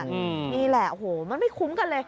นี่แหละโอ้โหมันไม่คุ้มกันเลย